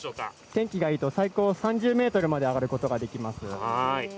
天気がいいと最高３０ｍまで上がることができます。